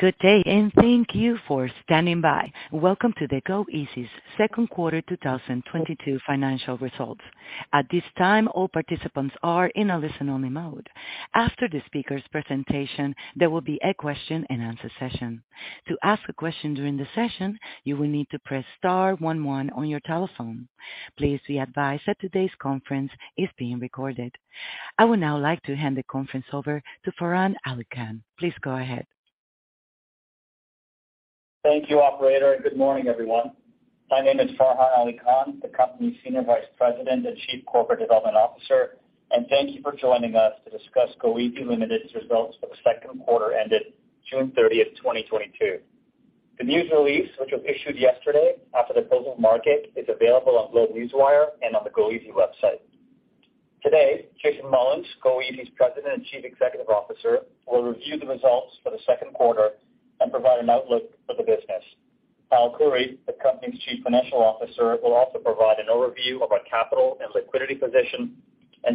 Good day, and thank you for standing by. Welcome to the goeasy's second quarter 2022 financial results. At this time, all participants are in a listen-only mode. After the speaker's presentation, there will be a question-and-answer session. To ask a question during the session, you will need to press star one one on your telephone. Please be advised that today's conference is being recorded. I would now like to hand the conference over to Farhan Ali Khan. Please go ahead. Thank you, operator, and good morning, everyone. My name is Farhan Ali Khan, the company's Senior Vice President and Chief Corporate Development Officer. Thank you for joining us to discuss goeasy Ltd.'s results for the second quarter ended June 30th, 2022. The news release, which was issued yesterday after the closing market, is available on GlobeNewswire and on the goeasy website. Today, Jason Mullins, goeasy's President and Chief Executive Officer, will review the results for the second quarter and provide an outlook for the business. Hal Khouri, the company's Chief Financial Officer, will also provide an overview of our capital and liquidity position.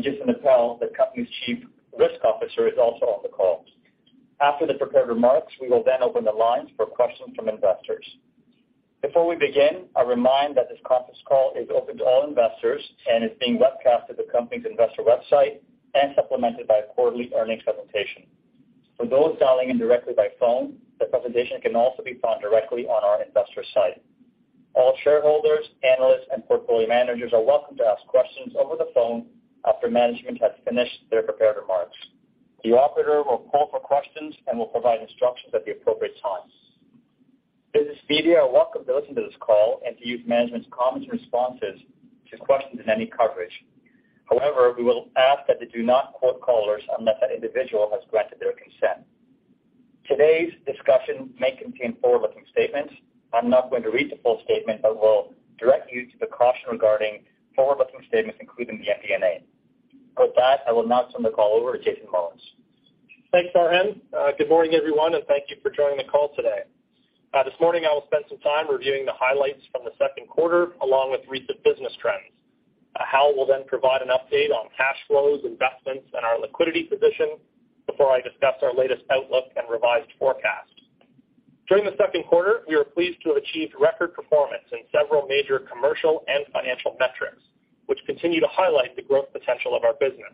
Jason Appel, the company's Chief Risk Officer, is also on the call. After the prepared remarks, we will then open the lines for questions from investors. Before we begin, I'll remind that this conference call is open to all investors and is being webcasted to the company's investor website and supplemented by a quarterly earnings presentation. For those dialing in directly by phone, the presentation can also be found directly on our investor site. All shareholders, analysts, and portfolio managers are welcome to ask questions over the phone after management has finished their prepared remarks. The operator will call for questions and will provide instructions at the appropriate time. Business media are welcome to listen to this call and to use management's comments and responses to questions in any coverage. However, we will ask that they do not quote callers unless that individual has granted their consent. Today's discussion may contain forward-looking statements. I'm not going to read the full statement, but will direct you to the caution regarding forward-looking statements included in the MDA. With that, I will now turn the call over to Jason Mullins. Thanks, Farhan. Good morning, everyone, and thank you for joining the call today. This morning I will spend some time reviewing the highlights from the second quarter, along with recent business trends. Hal will then provide an update on cash flows, investments, and our liquidity position before I discuss our latest outlook and revised forecast. During the second quarter, we were pleased to have achieved record performance in several major commercial and financial metrics, which continue to highlight the growth potential of our business.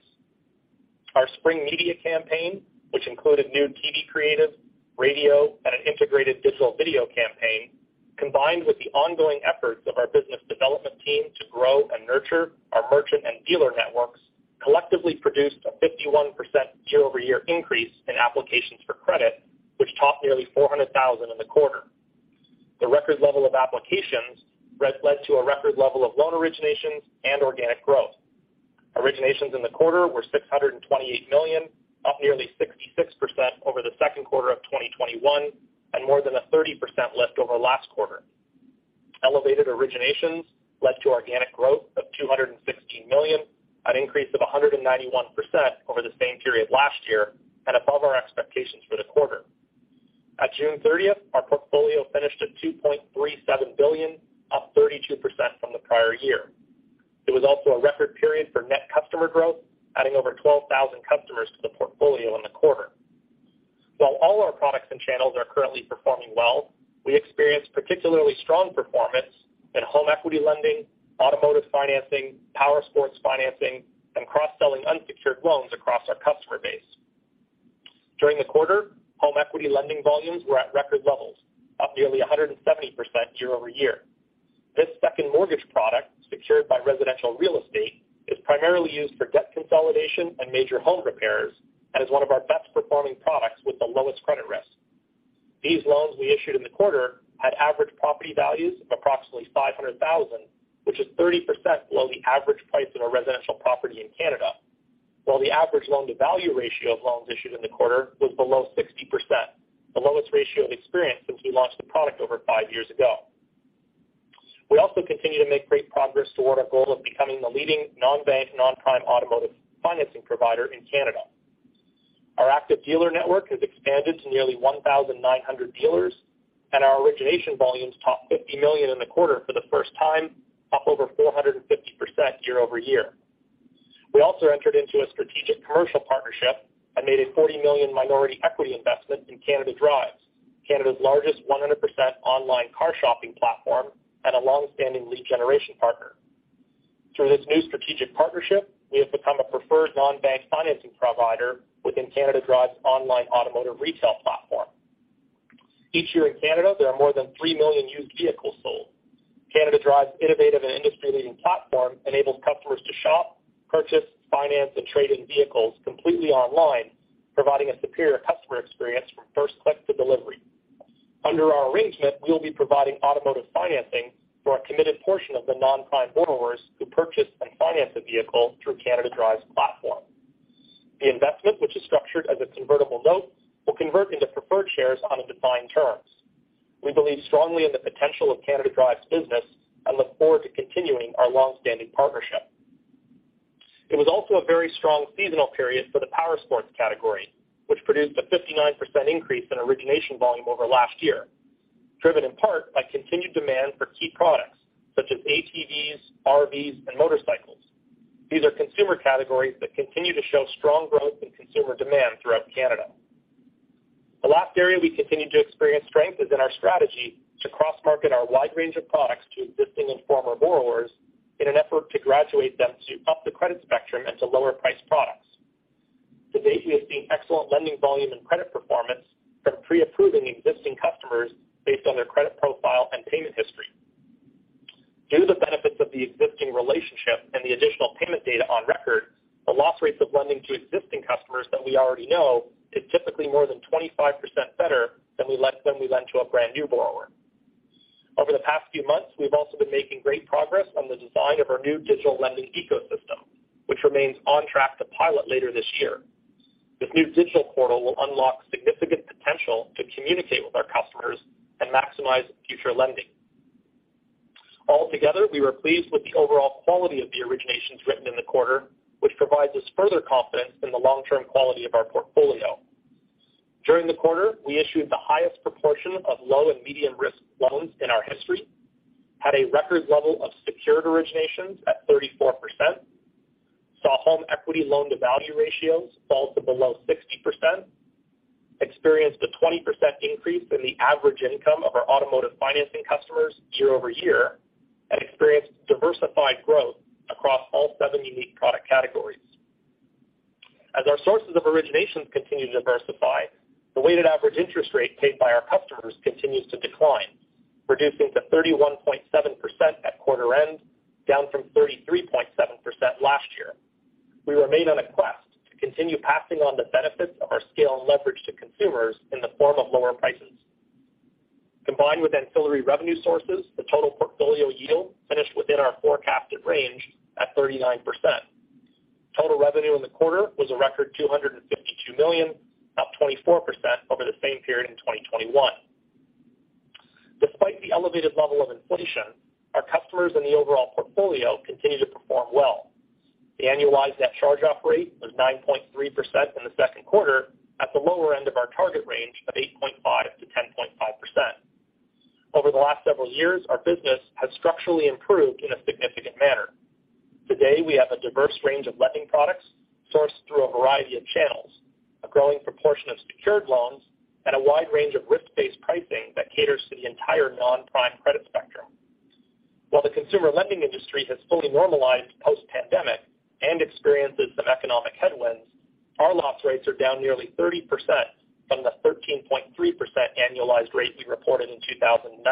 Our spring media campaign, which included new TV creative, radio, and an integrated digital video campaign, combined with the ongoing efforts of our business development team to grow and nurture our merchant and dealer networks, collectively produced a 51% year-over-year increase in applications for credit, which topped nearly 400,000 in the quarter. The record level of applications led to a record level of loan originations and organic growth. Originations in the quarter were 628 million, up nearly 66% over the second quarter of 2021 and more than a 30% lift over last quarter. Elevated originations led to organic growth of 216 million, an increase of 191% over the same period last year and above our expectations for the quarter. At June 30th, our portfolio finished at 2.37 billion, up 32% from the prior year. It was also a record period for net customer growth, adding over 12,000 customers to the portfolio in the quarter. While all our products and channels are currently performing well, we experienced particularly strong performance in home equity lending, automotive financing, powersports financing, and cross-selling unsecured loans across our customer base. During the quarter, home equity lending volumes were at record levels, up nearly 170% year-over-year. This second mortgage product, secured by residential real estate, is primarily used for debt consolidation and major home repairs, and is one of our best-performing products with the lowest credit risk. These loans we issued in the quarter had average property values of approximately 500,000, which is 30% below the average price of a residential property in Canada. While the average loan-to-value ratio of loans issued in the quarter was below 60%, the lowest ratio we've experienced since we launched the product over five years ago. We also continue to make great progress toward our goal of becoming the leading non-bank, non-prime automotive financing provider in Canada. Our active dealer network has expanded to nearly 1,900 dealers, and our origination volumes topped 50 million in the quarter for the first time, up over 450% year over year. We also entered into a strategic commercial partnership and made a 40 million minority equity investment in Canada Drives, Canada's largest 100% online car shopping platform and a long-standing lead generation partner. Through this new strategic partnership, we have become a preferred non-bank financing provider within Canada Drives' online automotive retail platform. Each year in Canada, there are more than three million used vehicles sold. Canada Drives' innovative and industry-leading platform enables customers to shop, purchase, finance, and trade in vehicles completely online, providing a superior customer experience from first click to delivery. Under our arrangement, we will be providing automotive financing for a committed portion of the non-prime borrowers who purchase and finance a vehicle through Canada Drives' platform. The investment, which is structured as a convertible note, will convert into preferred shares on defined terms. We believe strongly in the potential of Canada Drives' business and look forward to continuing our long-standing partnership. It was also a very strong seasonal period for the powersports category, which produced a 59% increase in origination volume over last year, driven in part by continued demand for key products such as ATVs, RVs, and motorcycles. These are consumer categories that continue to show strong growth in consumer demand throughout Canada. The last area we continue to experience strength is in our strategy to cross-market our wide range of products to existing and former borrowers in an effort to graduate them to up the credit spectrum into lower-priced products. To date, we have seen excellent lending volume and credit performance from pre-approving existing customers based on their credit profile and payment history. Due to the benefits of the existing relationship and the additional payment data on record, the loss rates of lending to existing customers that we already know is typically more than 25% better than when we lend to a brand new borrower. Over the past few months, we've also been making great progress on the design of our new digital lending ecosystem, which remains on track to pilot later this year. This new digital portal will unlock significant potential to communicate with our customers and maximize future lending. Altogether, we were pleased with the overall quality of the originations written in the quarter, which provides us further confidence in the long-term quality of our portfolio. During the quarter, we issued the highest proportion of low and medium risk loans in our history, had a record level of secured originations at 34%, saw home equity loan-to-value ratios fall to below 60%, experienced a 20% increase in the average income of our automotive financing customers year-over-year, and experienced diversified growth across all seven unique product categories. As our sources of originations continue to diversify, the weighted average interest rate paid by our customers continues to decline, reducing to 31.7% at quarter end, down from 33.7% last year. We remain on a quest to continue passing on the benefits of our scale and leverage to consumers in the form of lower prices. Combined with ancillary revenue sources, the total portfolio yield finished within our forecasted range at 39%. Total revenue in the quarter was a record 252 million, up 24% over the same period in 2021. Despite the elevated level of inflation, our customers in the overall portfolio continue to perform well. The annualized net charge-off rate was 9.3% in the second quarter at the lower end of our target range of 8.5%-10.5%. Over the last several years, our business has structurally improved in a significant manner. Today, we have a diverse range of lending products sourced through a variety of channels, a growing proportion of secured loans, and a wide range of risk-based pricing that caters to the entire non-prime credit spectrum. While the consumer lending industry has fully normalized post-pandemic and experiences some economic headwinds, our loss rates are down nearly 30% from the 13.3% annualized rate we reported in 2019.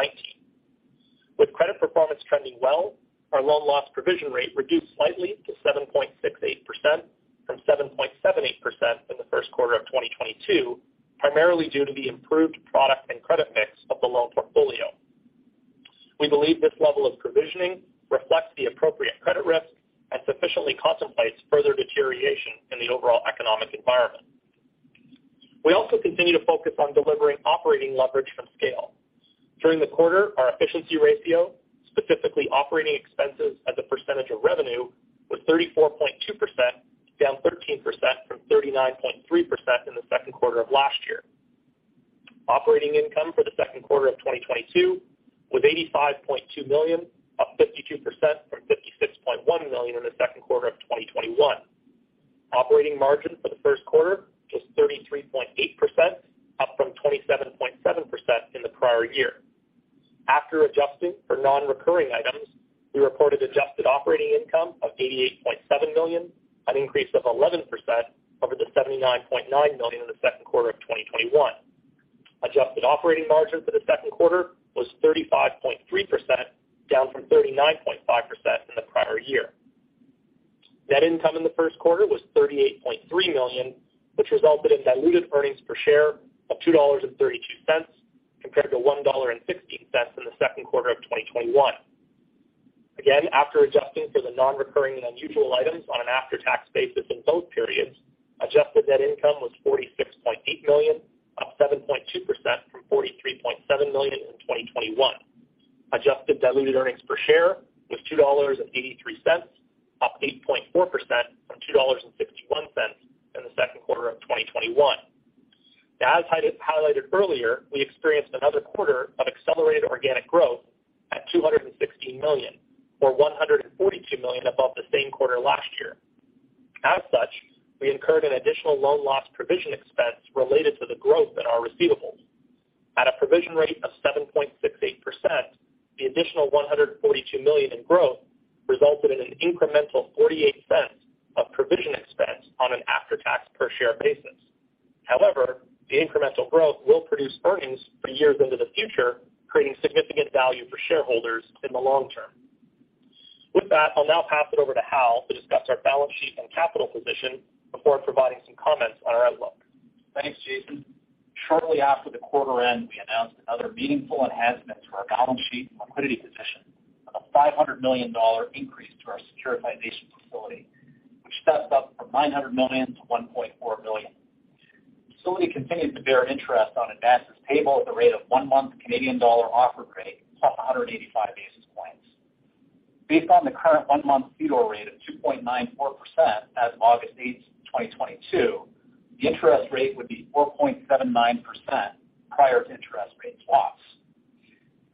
With credit performance trending well, our loan loss provision rate reduced slightly to 7.68% from 7.78% in the first quarter of 2022, primarily due to the improved product and credit mix of the loan portfolio. We believe this level of provisioning reflects the appropriate credit risk and sufficiently contemplates further deterioration in the overall economic environment. We also continue to focus on delivering operating leverage from scale. During the quarter, our efficiency ratio, specifically operating expenses as a percentage of revenue, was 34.2%, down 13% from 39.3% in the second quarter of last year. Operating income for the second quarter of 2022 was 85.2 million, up 52% from 56.1 million in the second quarter of 2021. Operating margin for the first quarter was 33.8%, up from 27.7% in the prior year. After adjusting for non-recurring items, we reported adjusted operating income of 88.7 million, an increase of 11% over the 79.9 million in the second quarter of 2021. Adjusted operating margin for the second quarter was 35.3%, down from 39.5% in the prior year. Net income in the first quarter was 38.3 million, which resulted in diluted earnings per share of 2.32 dollars, compared to 1.16 dollar in the second quarter of 2021. After adjusting for the non-recurring and unusual items on an after-tax basis in both periods, adjusted net income was 46.8 million, up 7.2% from 43.7 million in 2021. Adjusted diluted earnings per share was 2.83 dollars, up 8.4% from 2.61 dollars in the second quarter of 2021. Now, as highlighted earlier, we experienced another quarter of accelerated organic growth at 216 million or 142 million above the same quarter last year. As such, we incurred an additional loan loss provision expense related to the growth in our receivables. At a provision rate of 7.68%, the additional 142 million in growth resulted in an incremental 0.48 of provision expense on an after-tax per share basis. However, the incremental growth will produce earnings for years into the future, creating significant value for shareholders in the long-term. With that, I'll now pass it over to Hal to discuss our balance sheet and capital position before providing some comments on our outlook. Thanks, Jason. Shortly after the quarter end, we announced another meaningful enhancement to our balance sheet and liquidity position of a 500 million dollar increase to our securitization facility, which steps up from 900 million to 1.4 billion. Facility continues to bear interest on advances payable at the rate of one-month Canadian dollar offered rate plus 185 basis points. Based on the current one-month CDOR rate of 2.94% as of August 8th, 2022, the interest rate would be 4.79% prior to interest rate swaps.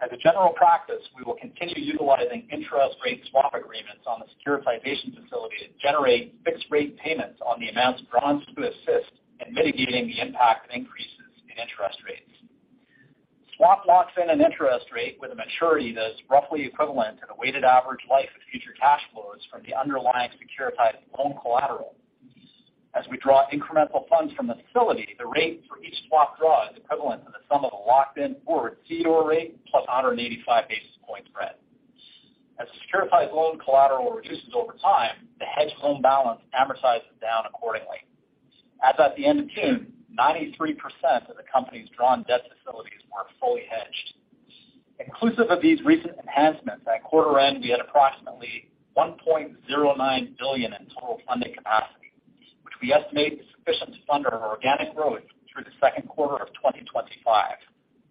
As a general practice, we will continue utilizing interest rate swap agreements on the securitization facility to generate fixed rate payments on the amounts drawn to assist in mitigating the impact of increases in interest rates. Swap locks in an interest rate with a maturity that is roughly equivalent to the weighted average life of future cash flows from the underlying securitized loan collateral. As we draw incremental funds from the facility, the rate for each swap draw is equivalent to the sum of the locked in forward CDOR rate plus 185 basis point spread. As the securitized loan collateral reduces over time, the hedged loan balance amortizes down accordingly. As at the end of June, 93% of the company's drawn debt facilities were fully hedged. Inclusive of these recent enhancements, at quarter end, we had approximately 1.09 billion in total funding capacity, which we estimate is sufficient to fund our organic growth through the second quarter of 2025,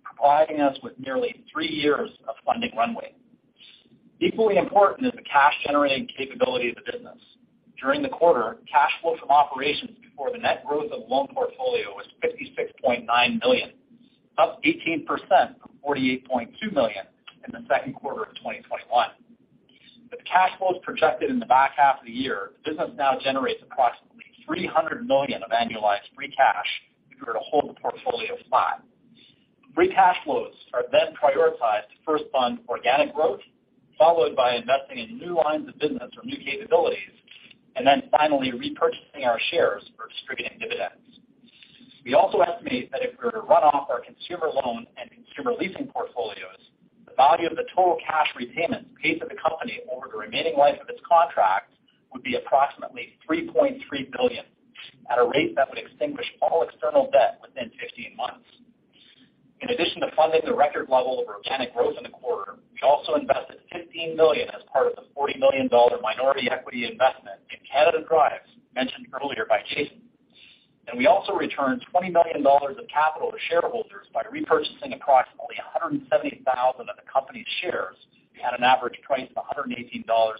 providing us with nearly three years of funding runway. Equally important is the cash-generating capability of the business. During the quarter, cash flow from operations before the net growth of loan portfolio was 56.9 million, up 18% from 48.2 million in the second quarter of 2021. With cash flows projected in the back half of the year, the business now generates approximately 300 million of annualized free cash if we were to hold the portfolio flat. Free cash flows are then prioritized to first fund organic growth, followed by investing in new lines of business or new capabilities, and then finally repurchasing our shares or distributing dividends. We also estimate that if we were to run off our consumer loan and consumer leasing portfolios, the value of the total cash repayments paid to the company over the remaining life of its contracts would be approximately 3.3 billion, at a rate that would extinguish all external debt within 15 months. In addition to funding the record level of organic growth in the quarter, we also invested 15 million as part of the 40 million dollar minority equity investment in Canada Drives mentioned earlier by Jason. We also returned 20 million dollars of capital to shareholders by repurchasing approximately 170,000 of the company's shares at an average price of 118.55 dollars.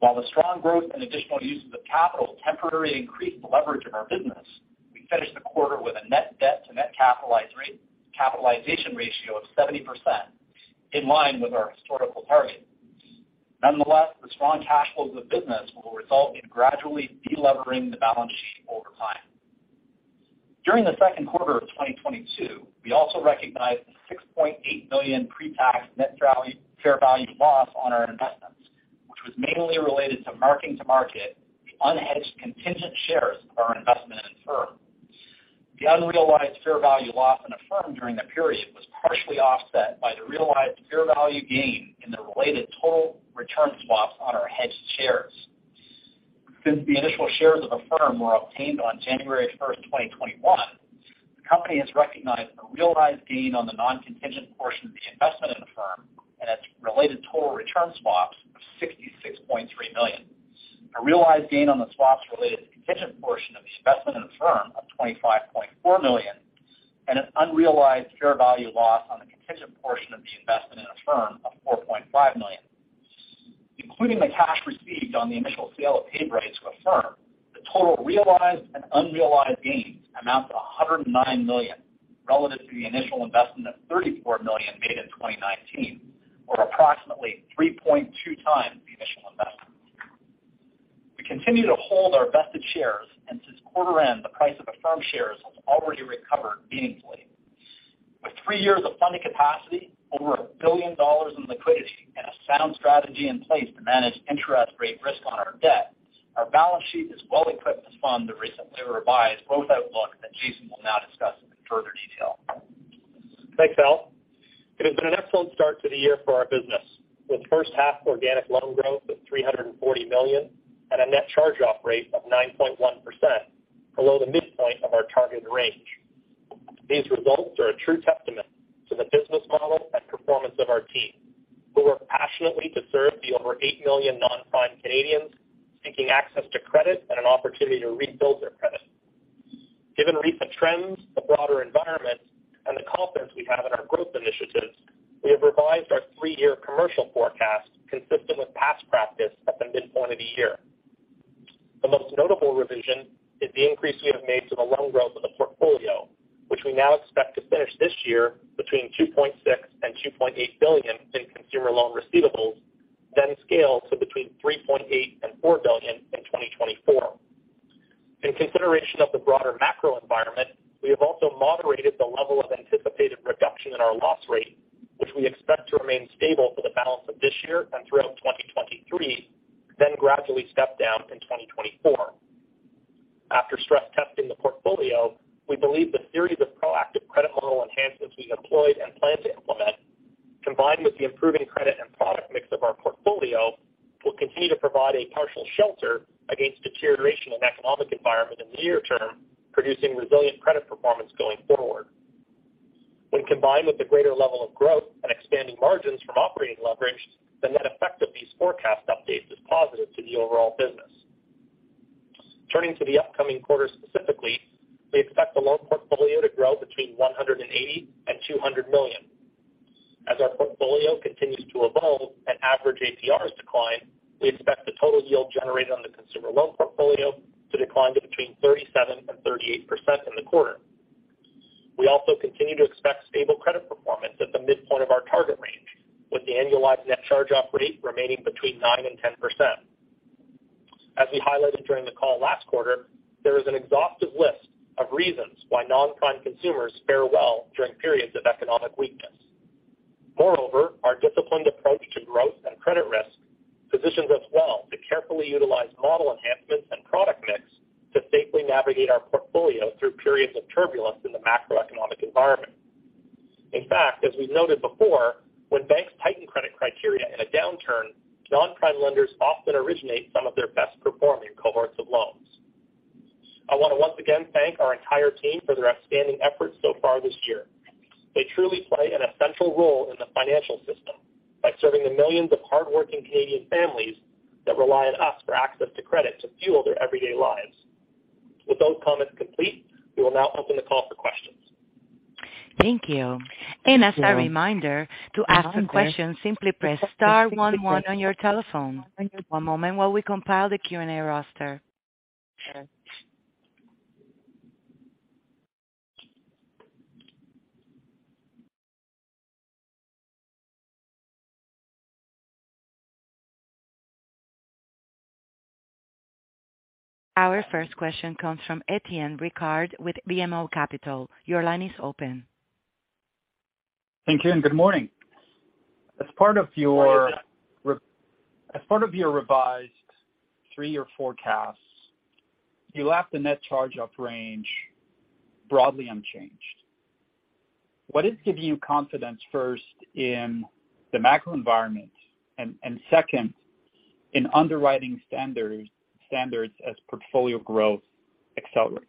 While the strong growth and additional uses of capital temporarily increased the leverage of our business, we finished the quarter with a net debt to net capitalization ratio of 70%, in line with our historical target. Nonetheless, the strong cash flows of the business will result in gradually de-levering the balance sheet over time. During the second quarter of 2022, we also recognized the $6.8 million pre-tax net fair value loss on our investments, which was mainly related to marking to market the unhedged contingent shares of our investment in Affirm. The unrealized fair value loss in Affirm during the period was partially offset by the realized fair value gain in the related total return swaps on our hedged shares. Since the initial shares of Affirm were obtained on January 1st, 2021, the company has recognized a realized gain on the non-contingent portion of the investment in Affirm and its related total return swaps of $66.3 million. A realized gain on the swaps related to the contingent portion of the investment in Affirm of $25.4 million, and an unrealized fair value loss on the contingent portion of the investment in Affirm of $4.5 million. Including the cash received on the initial sale of PayBright to Affirm, the total realized and unrealized gains amount to $109 million relative to the initial investment of $34 million made in 2019, or approximately 3.2x the initial investment. We continue to hold our vested shares, and since quarter end, the price of Affirm shares has already recovered meaningfully. With three years of funding capacity, over 1 billion dollars in liquidity, and a sound strategy in place to manage interest rate risk on our debt, our balance sheet is well-equipped to fund the recently revised growth outlook that Jason will now discuss in further detail. Thanks, Hal. It has been an excellent start to the year for our business, with first half organic loan growth of 340 million and a net charge-off rate of 9.1% below the midpoint of our targeted range. These results are a true testament to the business model and performance of our team, who work passionately to serve the over eight million non-prime Canadians seeking access to credit and an opportunity to rebuild their credit. Given recent trends, the broader environment, and the confidence we have in our growth initiatives, we have revised our three-year commercial forecast consistent with past practice at the midpoint of the year. The most notable revision is the increase we have made to the loan growth of the portfolio, which we now expect to finish this year between 2.6 billion and 2.8 billion in consumer loan receivables, then scale to between 3.8 billion and four billion in 2024. In consideration of the broader macro environment, we have also moderated the level of anticipated reduction in our loss rate, which we expect to remain stable for the balance of this year and throughout 2023, then gradually step down in 2024. After stress testing the portfolio, we believe the series of proactive credit model enhancements we employed and plan to implement, combined with the improving credit and product mix of our portfolio, will continue to provide a partial shelter against deterioration in economic environment in the near term, producing resilient credit performance going forward. When combined with the greater level of growth and expanding margins from operating leverage, the net effect of these forecast updates is positive to the overall business. Turning to the upcoming quarter specifically, we expect the loan portfolio to grow between 180 million and 200 million. As our portfolio continues to evolve and average APRs decline, we expect the total yield generated on the consumer loan portfolio to decline to between 37% and 38% in the quarter. We also continue to expect stable credit performance at the midpoint of our target range, with the annualized net charge-off rate remaining between 9% and 10%. As we highlighted during the call last quarter, there is an exhaustive list of reasons why non-prime consumers fare well during periods of economic weakness. Moreover, our disciplined approach to growth and credit risk positions us well to carefully utilize model enhancements and product mix to safely navigate our portfolio through periods of turbulence in the macroeconomic environment. In fact, as we've noted before, when banks tighten credit criteria in a downturn, non-prime lenders often originate some of their best performing cohorts of loans. I want to once again thank our entire team for their outstanding efforts so far this year. They truly play an essential role in the financial system by serving the millions of hardworking Canadian families that rely on us for access to credit to fuel their everyday lives. With those comments complete, we will now open the call for questions. Thank you. As a reminder to ask a question, simply press star one one on your telephone. One moment while we compile the Q&A roster. Our first question comes from Étienne Ricard with BMO Capital. Your line is open. Thank you and good morning. As part of your revised three-year forecasts, you left the net charge-off range broadly unchanged. What is giving you confidence, first, in the macro environment and second, in underwriting standards as portfolio growth accelerates?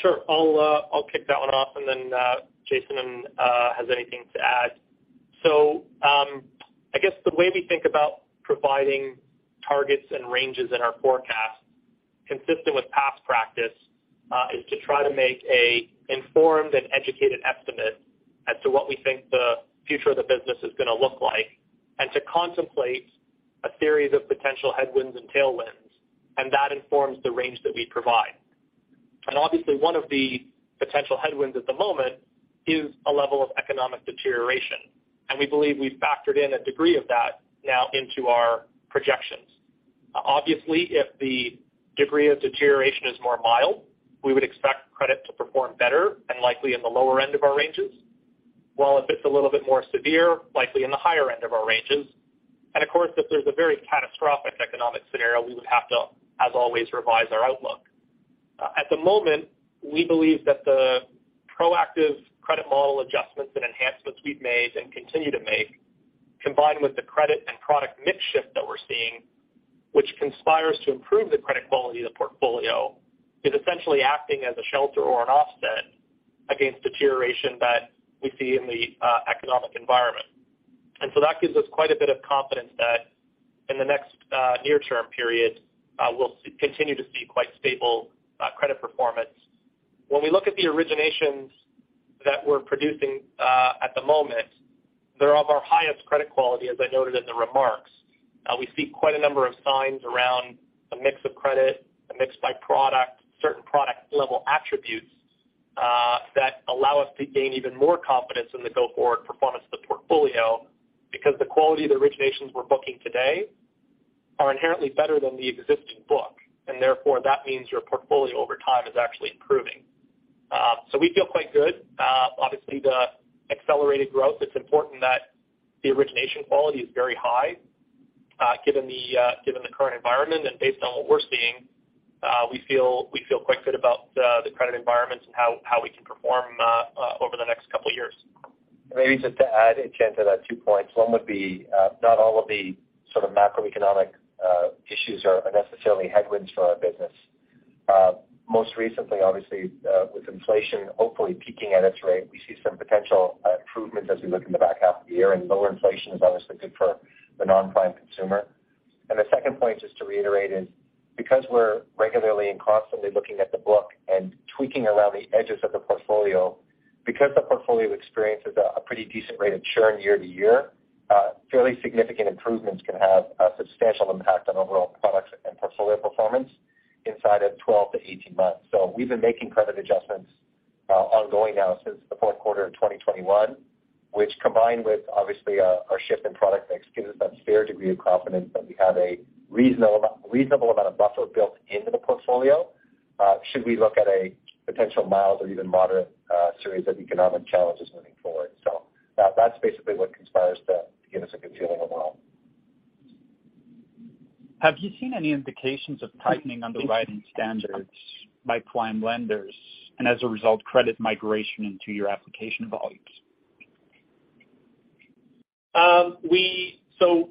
Sure. I'll kick that one off and then Jason has anything to add. I guess the way we think about providing targets and ranges in our forecast, consistent with past practice, is to try to make an informed and educated estimate as to what we think the future of the business is gonna look like and to contemplate a series of potential headwinds and tailwinds and that informs the range that we provide. Obviously, one of the potential headwinds at the moment is a level of economic deterioration. We believe we've factored in a degree of that now into our projections. Obviously, if the degree of deterioration is more mild, we would expect credit to perform better and likely in the lower end of our ranges. While if it's a little bit more severe, likely in the higher end of our ranges. Of course, if there's a very catastrophic economic scenario, we would have to, as always, revise our outlook. At the moment, we believe that the proactive credit model adjustments and enhancements we've made and continue to make, combined with the credit and product mix shift that we're seeing, which conspires to improve the credit quality of the portfolio, is essentially acting as a shelter or an offset against deterioration that we see in the economic environment. And so that gives us quite a bit of confidence that in the next near-term period, we'll continue to see quite stable credit performance. When we look at the originations that we're producing at the moment, they're of our highest credit quality, as I noted in the remarks. We see quite a number of signs around the mix of credit, the mix by product, certain product level attributes that allow us to gain even more confidence in the go-forward performance of the portfolio because the quality of the originations we're booking today are inherently better than the existing book. Therefore, that means your portfolio over time is actually improving. We feel quite good. Obviously, the accelerated growth, it's important that the origination quality is very high, given the current environment. Based on what we're seeing, we feel quite good about the credit environments and how we can perform over the next couple of years. Maybe just to add, Étienne, to that two points. One would be, not all of the sort of macroeconomic issues are necessarily headwinds for our business. Most recently, obviously, with inflation hopefully peaking at its rate, we see some potential improvements as we look in the back half of the year. Lower inflation is obviously good for the non-prime consumer. The second point, just to reiterate, is because we're regularly and constantly looking at the book and tweaking around the edges of the portfolio, because the portfolio experiences a pretty decent rate of churn year to year, fairly significant improvements can have a substantial impact on overall products and portfolio performance inside of 12-18 months. We've been making credit adjustments ongoing now since the fourth quarter of 2021, which combined with obviously our shift in product mix, gives us that fair degree of confidence that we have a reasonable amount of buffer built into the portfolio should we look at a potential mild or even moderate series of economic challenges moving forward. That's basically what conspires to give us a good feeling overall. Have you seen any indications of tightening underwriting standards by prime lenders and as a result, credit migration into your application volumes?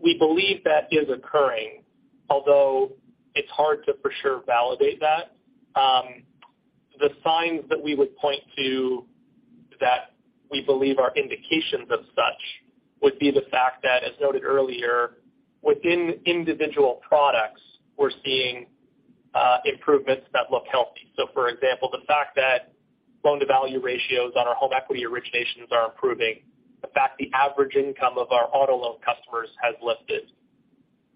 We believe that is occurring, although it's hard to for sure validate that. The signs that we would point to that we believe are indications of such would be the fact that, as noted earlier, within individual products, we're seeing improvements that look healthy. For example, the fact that loan-to-value ratios on our home equity originations are improving, the fact that the average income of our auto loan customers has lifted.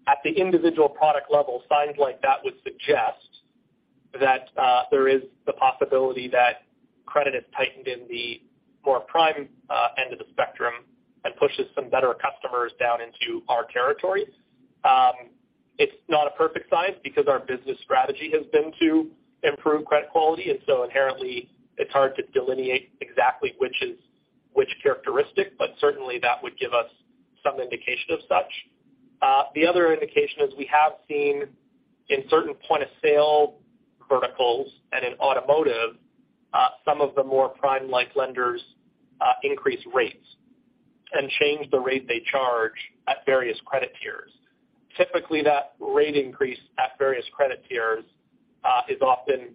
At the individual product level, signs like that would suggest that there is the possibility that credit has tightened in the more prime end of the spectrum and pushes some better customers down into our territory. It's not a perfect science because our business strategy has been to improve credit quality, and so inherently, it's hard to delineate exactly which is which characteristic, but certainly that would give us some indication of such. The other indication is we have seen in certain point of sale verticals and in automotive, some of the more prime-like lenders, increase rates and change the rate they charge at various credit tiers. Typically, that rate increase at various credit tiers is often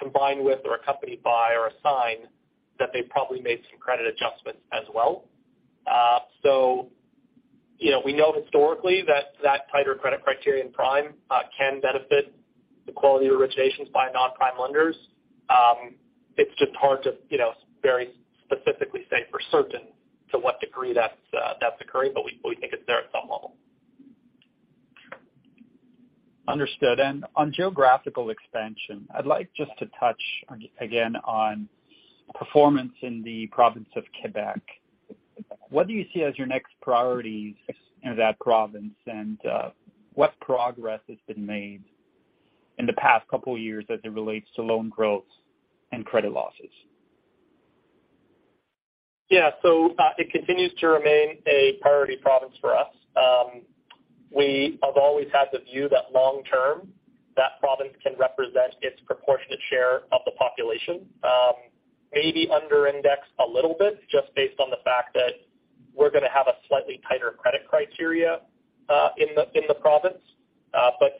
combined with or accompanied by or a sign that they probably made some credit adjustments as well. You know, we know historically that tighter credit criteria in prime can benefit the quality of originations by non-prime lenders. It's just hard to, you know, very specifically say for certain to what degree that's occurring, but we think it's there at some level. Understood. On geographical expansion, I'd like just to touch again on performance in the province of Quebec. What do you see as your next priorities in that province, and what progress has been made in the past couple years as it relates to loan growth and credit losses? Yeah. It continues to remain a priority province for us. We have always had the view that long term, that province can represent its proportionate share of the population, maybe under index a little bit just based on the fact that we're gonna have a slightly tighter credit criteria in the province.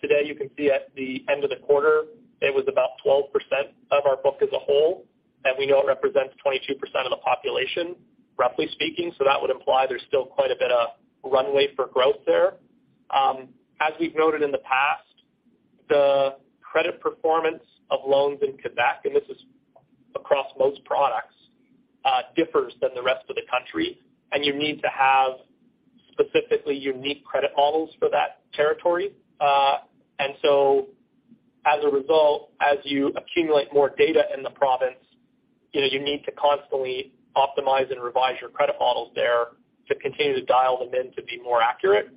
Today you can see at the end of the quarter, it was about 12% of our book as a whole, and we know it represents 22% of the population, roughly speaking. That would imply there's still quite a bit of runway for growth there. As we've noted in the past, the credit performance of loans in Quebec, and this is across most products, differs than the rest of the country, and you need to have specifically unique credit models for that territory. As a result, as you accumulate more data in the province, you know, you need to constantly optimize and revise your credit models there to continue to dial them in to be more accurate.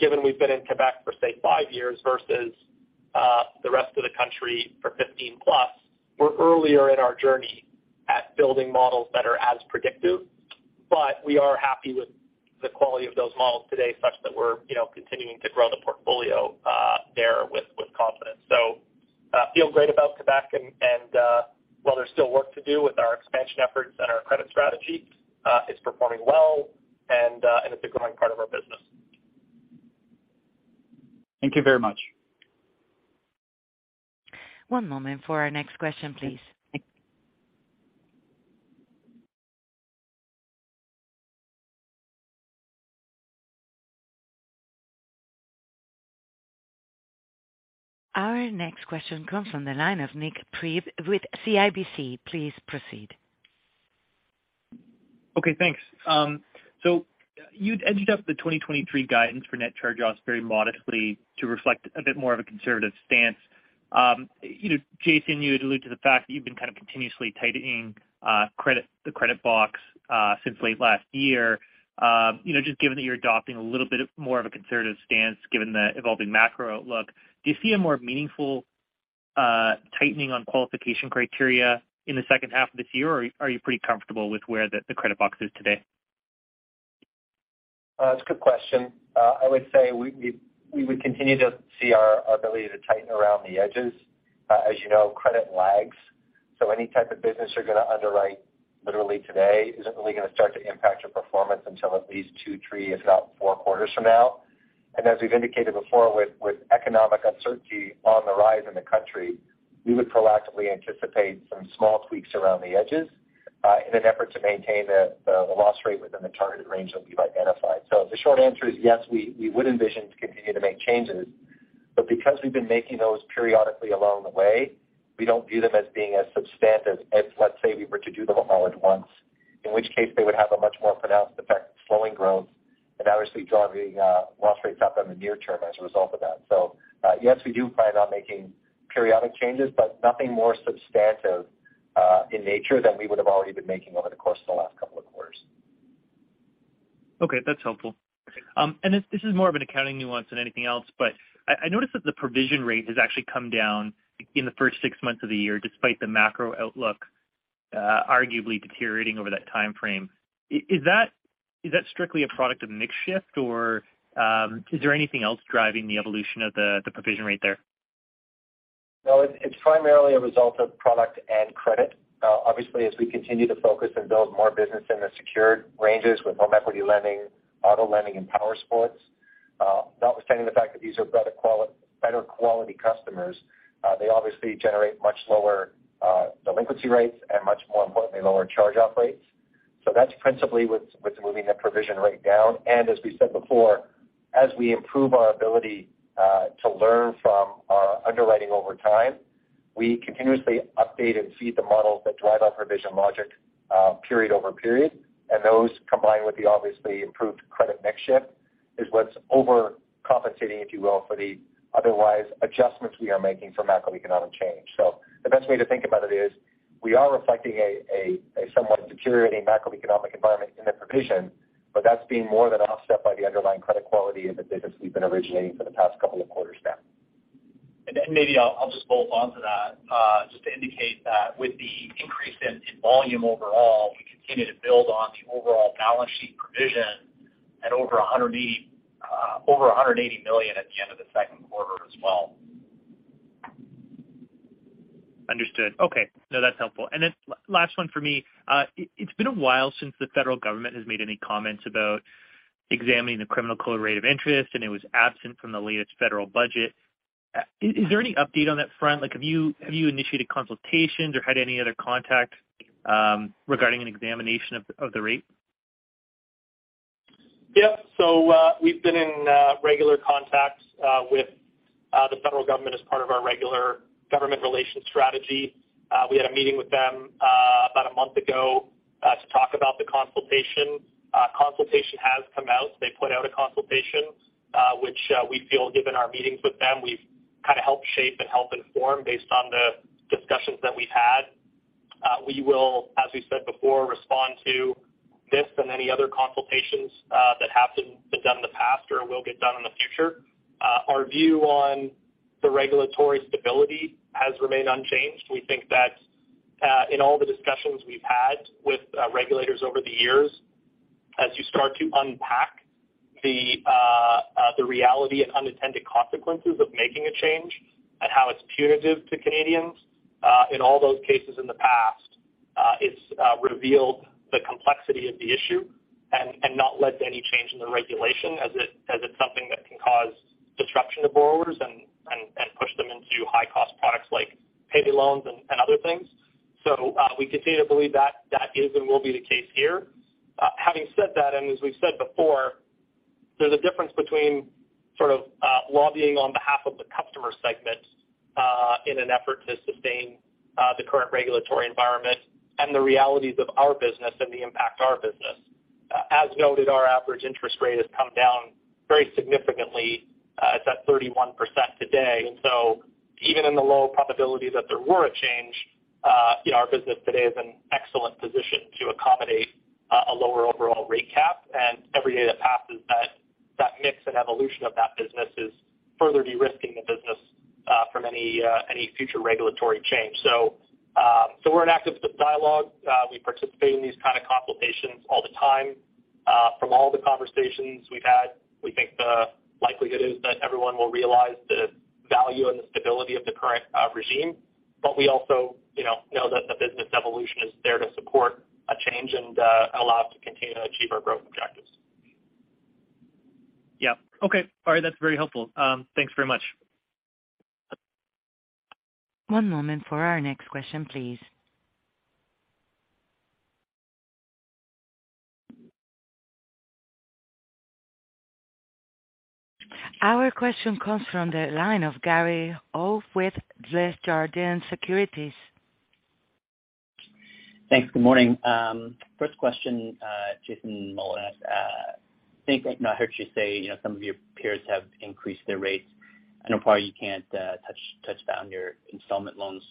Given we've been in Quebec for, say, five years versus the rest of the country for 15+, we're earlier in our journey at building models that are as predictive. We are happy with the quality of those models today, such that we're, you know, continuing to grow the portfolio there with confidence. Feel great about Quebec and while there's still work to do with our expansion efforts and our credit strategy, it's performing well and it's a growing part of our business. Thank you very much. One moment for our next question, please. Our next question comes from the line of Nik Priebe with CIBC. Please proceed. Okay, thanks. You'd ended up the 2023 guidance for net charge-offs very modestly to reflect a bit more of a conservative stance. You know, Jason, you had alluded to the fact that you've been kind of continuously tightening credit, the credit box since late last year. You know, just given that you're adopting a little bit more of a conservative stance given the evolving macro outlook, do you see a more meaningful tightening on qualification criteria in the second half of this year, or are you pretty comfortable with where the credit box is today? It's a good question. I would say we would continue to see our ability to tighten around the edges. As you know, credit lags, so any type of business you're gonna underwrite literally today isn't really gonna start to impact your performance until at least two, three, if not four quarters from now. As we've indicated before with economic uncertainty on the rise in the country, we would proactively anticipate some small tweaks around the edges in an effort to maintain the loss rate within the targeted range that we've identified. The short answer is yes, we would envision to continue to make changes, but because we've been making those periodically along the way, we don't view them as being as substantive as let's say we were to do them all at once. In which case they would have a much more pronounced effect of slowing growth and obviously driving loss rates up in the near term as a result of that. Yes, we do plan on making periodic changes, but nothing more substantive in nature than we would've already been making over the course of the last couple of quarters. Okay. That's helpful. This is more of an accounting nuance than anything else, but I noticed that the provision rate has actually come down in the first six months of the year despite the macro outlook arguably deteriorating over that timeframe. Is that strictly a product of mix shift or is there anything else driving the evolution of the provision rate there? No, it's primarily a result of product and credit. Obviously as we continue to focus and build more business in the secured ranges with home equity lending, auto lending, and powersports, notwithstanding the fact that these are better quality customers, they obviously generate much lower delinquency rates and much more importantly, lower charge-off rates. That's principally what's moving that provision rate down. As we said before, as we improve our ability to learn from our underwriting over time, we continuously update and feed the models that drive our provision logic, period over period. Those combined with the obviously improved credit mix shift is what's overcompensating, if you will, for the otherwise adjustments we are making for macroeconomic change. The best way to think about it is we are reflecting a somewhat deteriorating macroeconomic environment in the provision, but that's being more than offset by the underlying credit quality in the business we've been originating for the past couple of quarters now. Maybe I'll just bolt on to that, just to indicate that with the increase in volume overall, we continue to build on the overall balance sheet provision at over 180 million at the end of the second quarter as well. Understood. Okay. No, that's helpful. Then last one for me. It's been a while since the federal government has made any comments about examining the Criminal Code rate of interest, and it was absent from the latest federal budget. Is there any update on that front? Like, have you initiated consultations or had any other contacts regarding an examination of the rate? Yeah. We've been in regular contacts with the federal government as part of our regular government relations strategy. We had a meeting with them about a month ago to talk about the consultation. Consultation has come out. They put out a consultation, which we feel given our meetings with them, we've kind of helped shape and help inform based on the discussions that we've had. We will, as we said before, respond to this and any other consultations that have been done in the past or will get done in the future. Our view on the regulatory stability has remained unchanged. We think that in all the discussions we've had with regulators over the years, as you start to unpack the reality and unintended consequences of making a change and how it's punitive to Canadians, in all those cases in the past, it's revealed the complexity of the issue and not led to any change in the regulation as it's something that can cause disruption to borrowers and push them into high-cost products like payday loans and other things. We continue to believe that that is and will be the case here. Having said that, and as we've said before, there's a difference between sort of, lobbying on behalf of the customer segment, in an effort to sustain, the current regulatory environment and the realities of our business and the impact to our business. As noted, our average interest rate has come down very significantly. It's at 31% today. Even in the low probability that there were a change, you know, our business today is in excellent position to accommodate, a lower overall rate cap. Every day that passes that mix and evolution of that business is further de-risking the business from any future regulatory change. We're in active dialogue. We participate in these kind of consultations all the time. From all the conversations we've had, we think the likelihood is that everyone will realize the value and the stability of the current regime. We also, you know that the business evolution is there to support a change and allow us to continue to achieve our growth objectives. Yeah. Okay. All right. That's very helpful. Thanks very much. One moment for our next question, please. Our question comes from the line of Gary Ho with Desjardins Securities. Thanks. Good morning. First question, Jason Mullins. I think I heard you say, you know, some of your peers have increased their rates. I know probably you can't touch on your installment loans.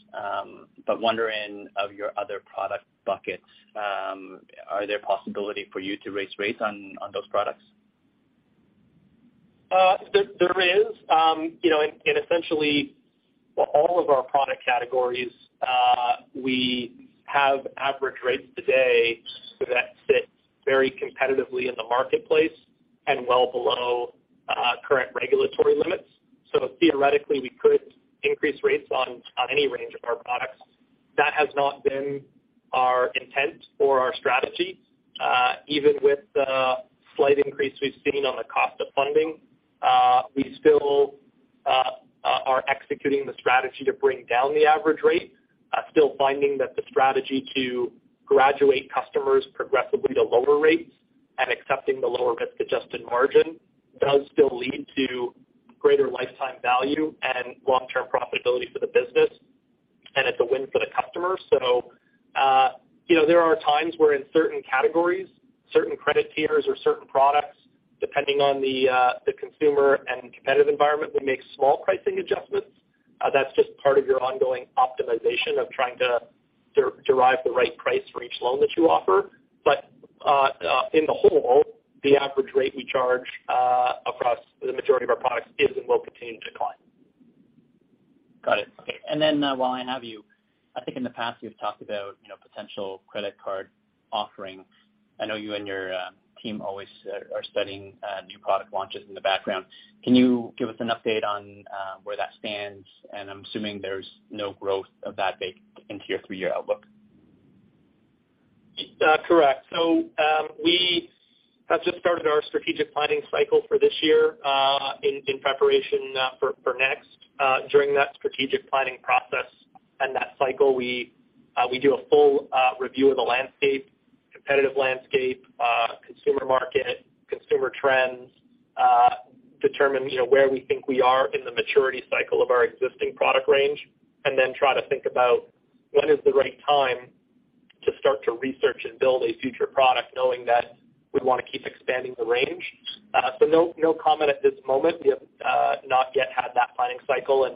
Wondering of your other product buckets, are there possibility for you to raise rates on those products? There is. You know, essentially for all of our product categories, we have average rates today that sit very competitively in the marketplace and well below current regulatory limits. Theoretically, we could increase rates on any range of our products. That has not been our intent or our strategy. Even with the slight increase we've seen on the cost of funding, we still are executing the strategy to bring down the average rate. Still finding that the strategy to graduate customers progressively to lower rates and accepting the lower risk-adjusted margin does still lead to greater lifetime value and long-term profitability for the business, and it's a win for the customer. you know, there are times where in certain categories, certain credit tiers or certain products, depending on the consumer and competitive environment, we make small pricing adjustments. That's just part of your ongoing optimization of trying to derive the right price for each loan that you offer. On the whole, the average rate we charge across the majority of our products is and will continue to decline. Got it. Okay. While I have you, I think in the past you've talked about, you know, potential credit card offering. I know you and your team always are studying new product launches in the background. Can you give us an update on where that stands? I'm assuming there's no growth of that baked into your three-year outlook. Correct. We have just started our strategic planning cycle for this year in preparation for next. During that strategic planning process and that cycle, we do a full review of the landscape, competitive landscape, consumer market, consumer trends, determine, you know, where we think we are in the maturity cycle of our existing product range, and then try to think about when is the right time to start to research and build a future product knowing that we wanna keep expanding the range. No comment at this moment. We have not yet had that planning cycle and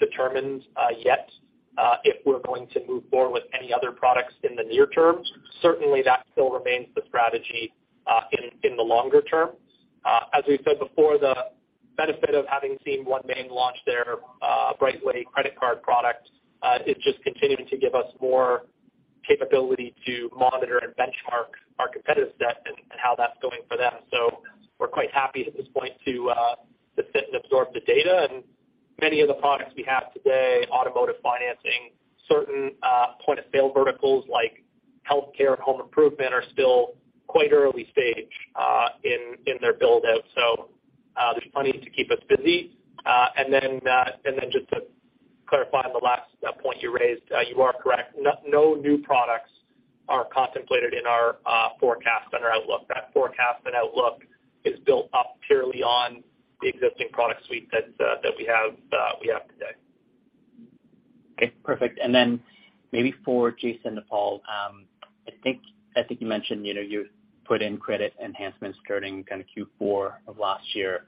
determined yet if we're going to move forward with any other products in the near term. Certainly, that still remains the strategy in the longer term. As we've said before, the benefit of having seen OneMain launch their BrightWay credit card product is just continuing to give us more capability to monitor and benchmark our competitive set and how that's going for them. We're quite happy at this point to sit and absorb the data. Many of the products we have today, automotive financing, certain point of sale verticals like healthcare and home improvement are still quite early stage in their build-out. There's plenty to keep us busy. Just to clarify the last point you raised, you are correct. No new products are contemplated in our forecast and our outlook. That forecast and outlook is built up purely on the existing product suite that we have today. Okay, perfect. Then maybe for Jason or Paul, I think you mentioned, you know, you put in credit enhancement structure kind of Q4 of last year.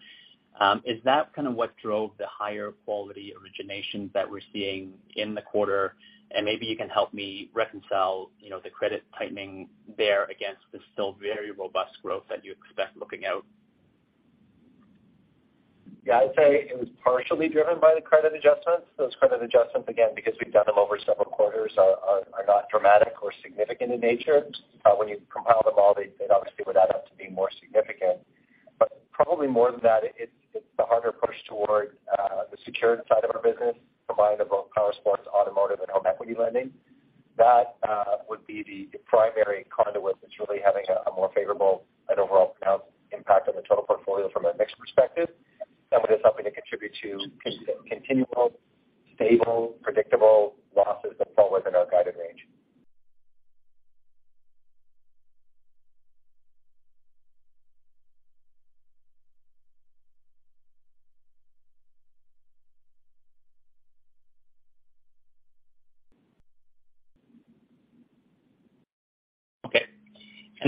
Is that kind of what drove the higher quality origination that we're seeing in the quarter? Maybe you can help me reconcile, you know, the credit tightening there against the still very robust growth that you expect looking out. Yeah, I'd say it was partially driven by the credit adjustments. Those credit adjustments, again, because we've done them over several quarters, are not dramatic or significant in nature. When you compile them all, they obviously would add up to being more significant. Probably more than that, it's the harder push toward the secured side of our business, combined of both powersports, automotive and home equity lending. That would be the primary conduit that's really having a more favorable and overall impact on the total portfolio from a mix perspective. That is helping to contribute to continual, stable, predictable losses that fall within our guided range. Okay.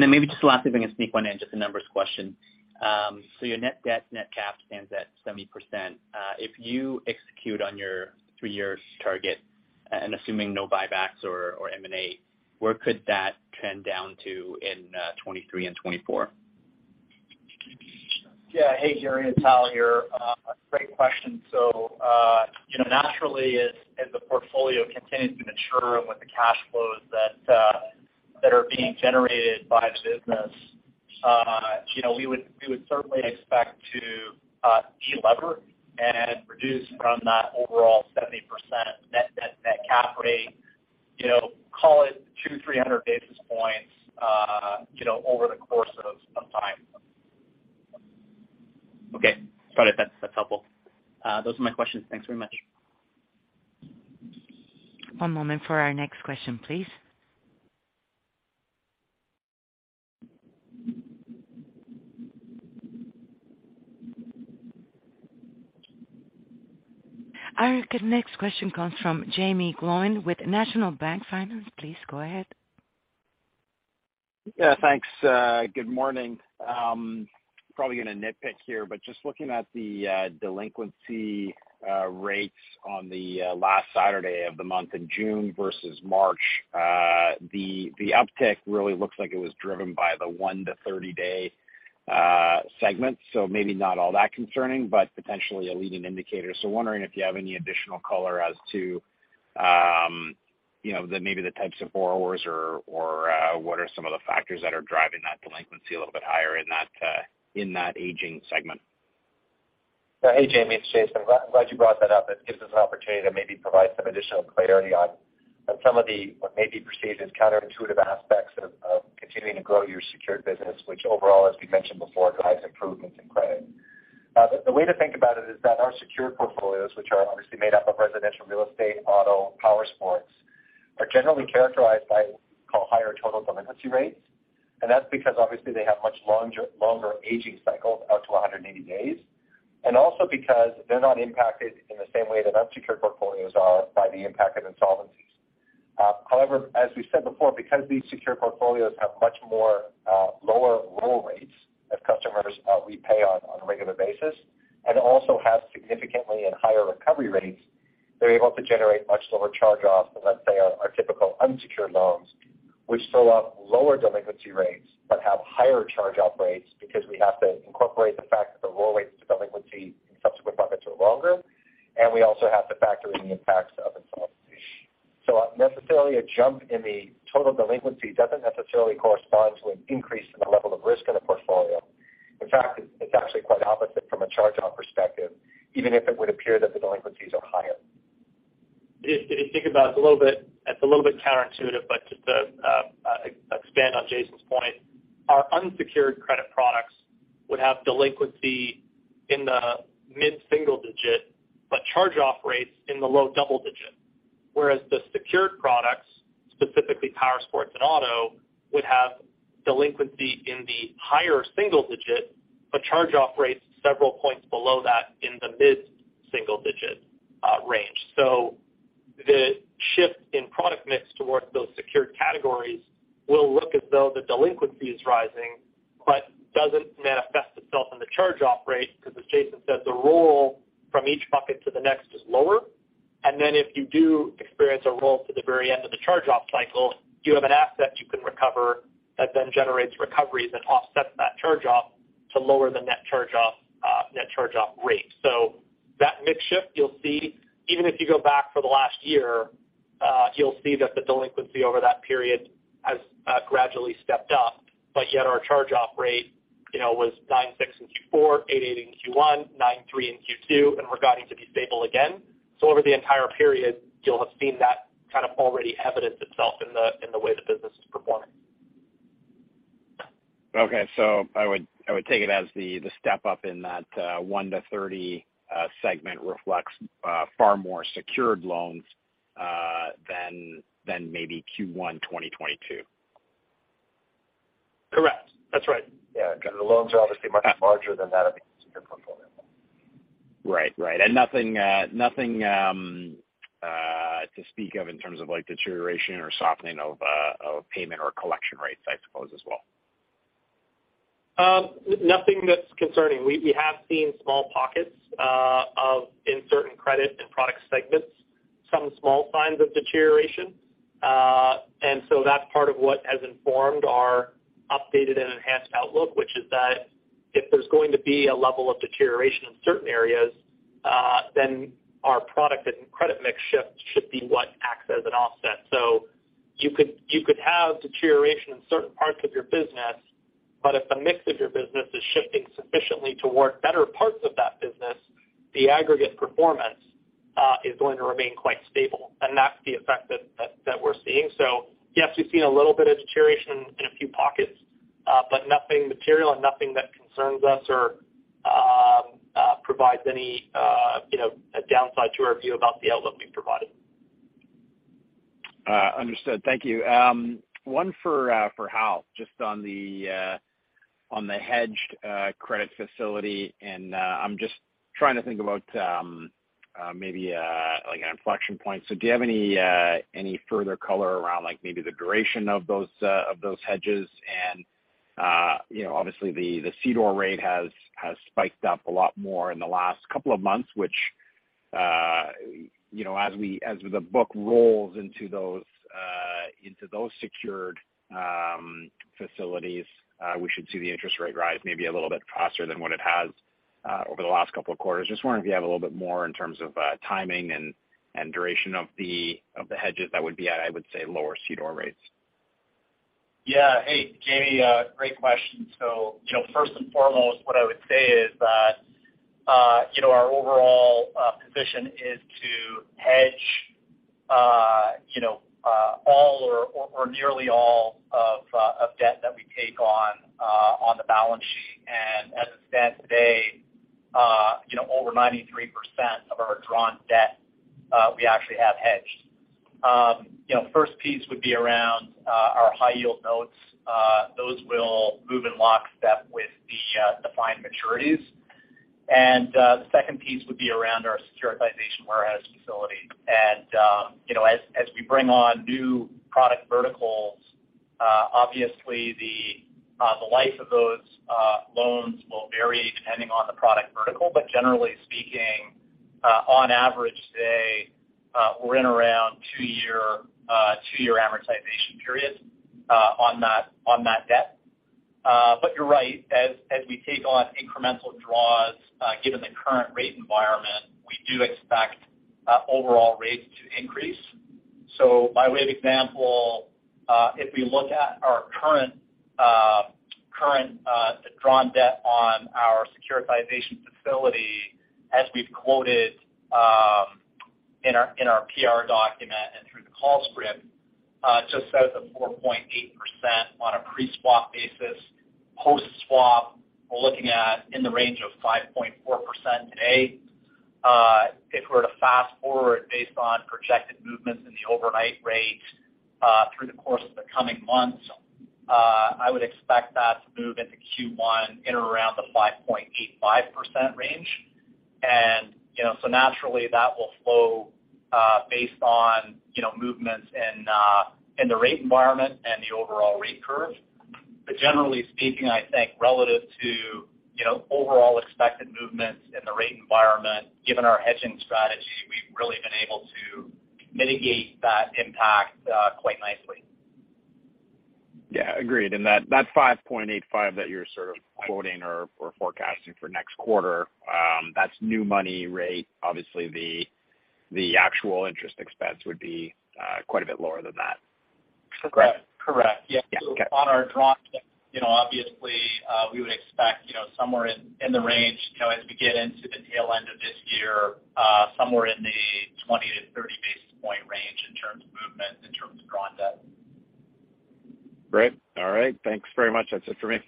Maybe just lastly, if I can sneak one in, just a numbers question. Your net debt, net cap stands at 70%. If you execute on your three-year target and assuming no buybacks or M&A, where could that trend down to in 2023 and 2024? Yeah. Hey, Gary, it's Hal Khouri here. Great question. You know, naturally as the portfolio continues to mature and with the cash flows that that are being generated by the business, you know, we would certainly expect to de-lever and reduce from that overall 70% net debt, net cap rate, you know, call it 200-300 basis points, you know, over the course of some time. Okay. Got it. That's helpful. Those are my questions. Thanks very much. One moment for our next question, please. Our next question comes from Jaeme Gloyn with National Bank Financial. Please go ahead. Yeah, thanks. Good morning. Probably gonna nitpick here, but just looking at the delinquency rates on the last Saturday of the month in June versus March, the uptick really looks like it was driven by the 1-30-day segment. Maybe not all that concerning, but potentially a leading indicator. Wondering if you have any additional color as to, you know, maybe the types of borrowers or, what are some of the factors that are driving that delinquency a little bit higher in that aging segment. Hey, Jamie, it's Jason. I'm glad you brought that up. It gives us an opportunity to maybe provide some additional clarity on some of the, what may be perceived as counterintuitive aspects of continuing to grow your secured business, which overall, as we mentioned before, drives improvements in credit. The way to think about it is that our secured portfolios, which are obviously made up of residential real estate, auto, powersports, are generally characterized by higher total delinquency rates. That's because obviously they have much longer aging cycles out to 180 days. Also because they're not impacted in the same way that unsecured portfolios are by the impact of insolvencies. However, as we said before, because these secure portfolios have much more lower roll rates as customers we pay on a regular basis, and also have significantly and higher recovery rates, they're able to generate much lower charge-offs than let's say our typical unsecured loans, which still have lower delinquency rates but have higher charge-off rates because we have to incorporate the fact that the roll rate to delinquency in subsequent buckets are longer, and we also have to factor in the impacts of insolvency. Necessarily a jump in the total delinquency doesn't necessarily correspond to an increase in the level of risk in a portfolio. In fact, it's actually quite opposite from a charge-off perspective, even if it would appear that the delinquencies are higher. If you think about it a little bit, it's a little bit counterintuitive, but to expand on Jason's point, our unsecured credit products would have delinquency in the mid-single digit, but charge-off rates in the low double digit. Whereas the secured products, specifically powersports and auto, would have delinquency in the higher single digit, but charge-off rates several points below that in the mid-single digit range. The shift in product mix towards those secured categories will look as though the delinquency is rising, but doesn't manifest itself in the charge-off rate because as Jason said, the roll from each bucket to the next is lower. If you do experience a roll to the very end of the charge-off cycle, you have an asset you can recover that then generates recoveries and offsets that charge-off to lower the net charge-off rate. That mix shift you'll see, even if you go back for the last year, you'll see that the delinquency over that period has gradually stepped up. Our charge-off rate, you know, was 9.6% in Q4, 8.8% in Q1, 9.3% in Q2, and we're guiding to be stable again. Over the entire period, you'll have seen that kind of already evidenced itself in the way the business is performing. I would take it as the step up in that one to 30 segment reflects far more secured loans than maybe Q1 2022. Correct. That's right. Yeah. The loans are obviously much larger than that of the consumer portfolio. Right. Nothing to speak of in terms of like deterioration or softening of payment or collection rates, I suppose, as well. Nothing that's concerning. We have seen small pockets in certain credit and product segments, some small signs of deterioration. That's part of what has informed our updated and enhanced outlook, which is that if there's going to be a level of deterioration in certain areas, then our product and credit mix shift should be what acts as an offset. You could have deterioration in certain parts of your business, but if the mix of your business is shifting sufficiently towards better parts of that business, the aggregate performance is going to remain quite stable. That's the effect that we're seeing. Yes, we've seen a little bit of deterioration in a few pockets, but nothing material and nothing that concerns us or provides any, you know, a downside to our view about the outlook we've provided. Understood. Thank you. One for Hal, just on the hedged credit facility. I'm just trying to think about maybe like an inflection point. Do you have any further color around like maybe the duration of those hedges? You know, obviously the CDOR rate has spiked up a lot more in the last couple of months, which you know, as the book rolls into those secured facilities, we should see the interest rate rise maybe a little bit faster than what it has over the last couple of quarters. Just wondering if you have a little bit more in terms of, timing and duration of the hedges that would be at, I would say, lower CDOR rates. Yeah. Hey, Jamie, great question. You know, first and foremost, what I would say is that, you know, our overall position is to hedge, you know, all or nearly all of debt that we take on the balance sheet. As it stands today, you know, over 93% of our drawn debt, we actually have hedged. You know, the first piece would be around our high-yield notes. Those will move in lockstep with the defined maturities. The second piece would be around our securitization warehouse facility. You know, as we bring on new product verticals, obviously the life of those loans will vary depending on the product vertical. Generally speaking, on average today, we're in around two-year amortization periods on that debt. You're right. As we take on incremental draws, given the current rate environment, we do expect overall rates to increase. By way of example, if we look at our current drawn debt on our securitization facility, as we've quoted in our PR document and through the call script, just says 4.8% on a pre-swap basis. Post-swap, we're looking at in the range of 5.4% today. If we were to fast-forward based on projected movements in the overnight rate through the course of the coming months, I would expect that to move into Q1 in or around the 5.85% range. You know, naturally, that will flow based on, you know, movements in the rate environment and the overall rate curve. Generally speaking, I think relative to, you know, overall expected movements in the rate environment, given our hedging strategy, we've really been able to mitigate that impact quite nicely. Yeah, agreed. That 5.85 that you're sort of quoting or forecasting for next quarter, that's new money rate. Obviously, the actual interest expense would be quite a bit lower than that. Correct. Yeah. Okay. On our draw, you know, obviously, we would expect, you know, somewhere in the range, you know, as we get into the tail end of this year, somewhere in the 20-30 basis point range in terms of movement, in terms of draw down. Great. All right. Thanks very much. That's it for me.